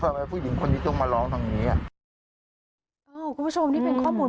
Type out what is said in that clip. ก็เห็นผู้หญิงทะเลาะอย่างนั้น